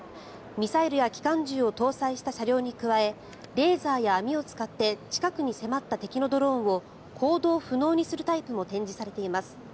ミサイルや機関銃を搭載した車両に加えレーザーや網を使って近くに迫った敵のドローンを行動不能にするタイプも展示されています。